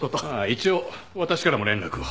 一応私からも連絡を。